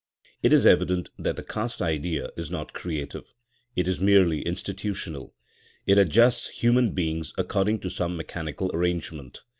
It is evident that the caste idea is not creative; it is merely institutional. It adjusts human beings according to some mechanical arrangement.